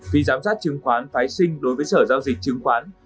phí giám sát chứng khoán phái sinh đối với sở giao dịch chứng khoán